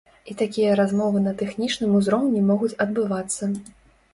І такія размовы на тэхнічным узроўні могуць адбывацца.